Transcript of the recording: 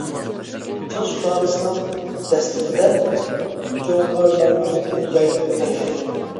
چىڭ سۇلالىسىنىڭ دەسلىپىدە جۇڭغارلارنىڭ يايلىقى بولغان.